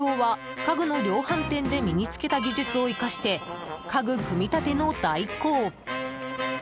副業は家具の量販店で身に着けた技術を生かして家具組み立ての代行。